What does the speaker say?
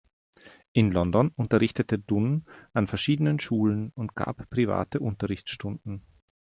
In London unterrichtete Dunn an verschiedenen Schulen und gab private Unterrichtsstunden.